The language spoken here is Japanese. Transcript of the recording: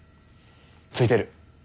ついてる！